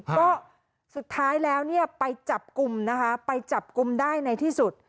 ก็สุดท้ายแล้วเนี่ยไปจับกลุ่มนะคะไปจับกลุ่มได้ในที่สุด